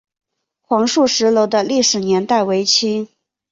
黄素石楼的历史年代为清。